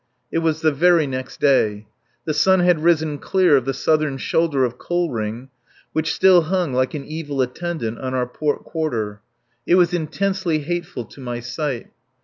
It was the very next day. The sun had risen clear of the southern shoulder of Koh ring, which still hung, like an evil attendant, on our port quarter. It was intensely hateful to my sight.